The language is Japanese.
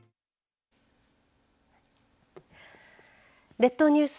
列島ニュース